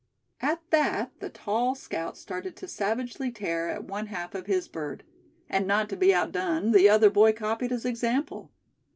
At that the tall scout started to savagely tear at one half of his bird; and not to be outdone the other boy copied his example.